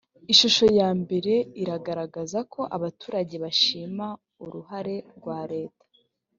ishusho ya mbere iragaragaza ko abaturage bashima uruhare rwa leta